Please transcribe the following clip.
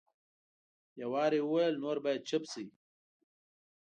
یو وار یې وویل نور باید چپ شئ.